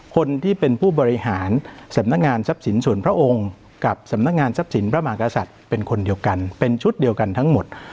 คนที่เป็นผู้บริหารสำนักงานทรัพย์สินส่วนพระองค์กับสำนักงานทรัพย์สินพระมหากษัตริย์เป็นคนเดียวกันเป็นชุดเดียวกันทั้งหมด